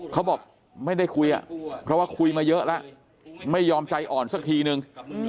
เขาบอกไม่ได้คุยอ่ะเพราะว่าคุยมาเยอะแล้วไม่ยอมใจอ่อนสักทีนึง